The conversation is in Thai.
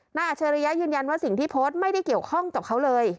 อัชริยะยืนยันว่าสิ่งที่โพสต์ไม่ได้เกี่ยวข้องกับเขาเลย